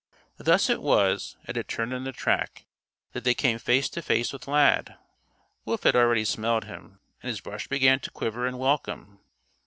Thus it was, at a turn in the track, that they came face to face with Lad. Wolf had already smelled him, and his brush began to quiver in welcome.